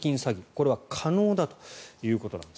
これはかのうだということです。